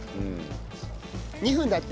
２分だって。